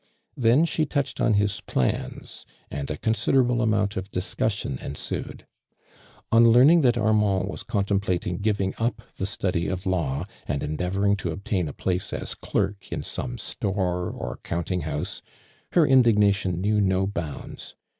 Then she touched on his plans and a consitlerable amount of diacussion ensued. On learning that Ar mand was contemplating giving up the study of the law and eniieavoring to obtain a place as clerk in some store or counting liouse, her indignation knew no bounds.